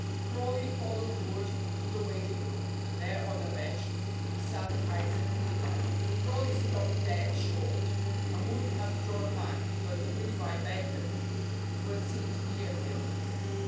Crawley followed Wood to the waiting room, and there on a bench sat Isaac Levi. Crawley stopped dead short and would have drawn back, but Levi beckoned to a seat near him.